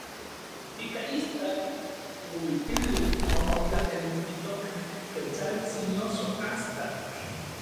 Ika istak uipili omotlakentitoka Ketsaltsin noso Astatl.